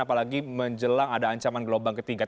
apalagi menjelang ada ancaman gelombang ketiga